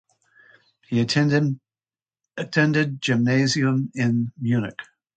He attended Gymnasium in Munich.